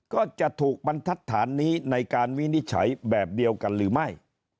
ก็จะถูกบรรทัศน์นี้ในการวินิจฉัยแบบเดียวกันหรือไม่